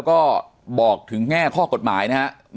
ก็บอกถึงแง่ข้อกฎหมายนะครับ